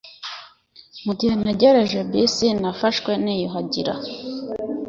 Mugihe ntegereje bisi, nafashwe niyuhagira.